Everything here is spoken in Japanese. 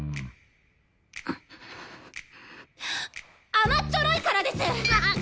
甘っちょろいからです！